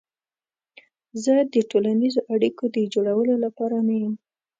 زه د ټولنیزو اړیکو د جوړولو لپاره نه یم.